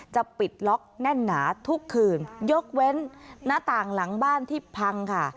จะปิดล็อกแน่นหนาทุกคืนยกเว้นหน้าต่างหลังบ้านที่พังค่ะ